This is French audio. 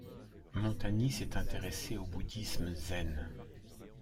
Montani s'est intéressé au bouddhisme zen.